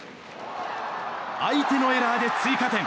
相手のエラーで追加点。